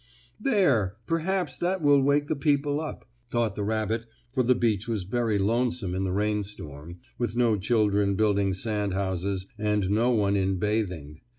"There, perhaps that will wake the people up," thought the rabbit for the beach was very lonesome in the rainstorm, with no children building sand houses, and no one in bathing.